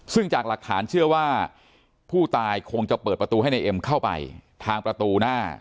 ซึ่งจากหลักฐานเชื่อว่าผู้ตายคงจะเปิดประตูให้ในเอ็มเข้าไปทางประตูหน้า